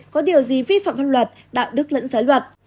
có điều gì vi phạm phân luật đạo đức lẫn giới luật